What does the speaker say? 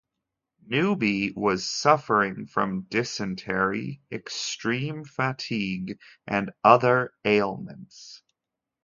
Newby was suffering from dysentery, extreme fatigue and other ailments.